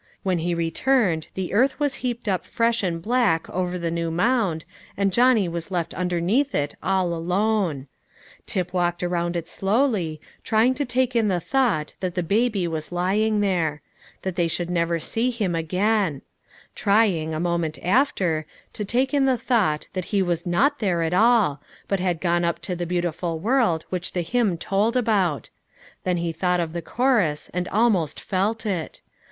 When he returned the earth was heaped up fresh and black over the new mound, and Johnny was left underneath it all alone. Tip walked around it slowly, trying to take in the thought that the baby was lying there; that they should never see him again; trying, a moment after, to take in the thought that he was not there at all, but had gone up to the beautiful world which the hymn told about; then he thought of the chorus, and almost felt it.